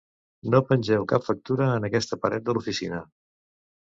No pengeu cap factura en aquesta paret de l'oficina.